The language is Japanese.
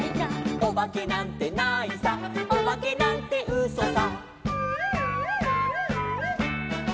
「おばけなんてないさおばけなんてうそさ」